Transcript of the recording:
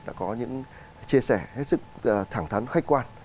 đã có những chia sẻ hết sức thẳng thắn khách quan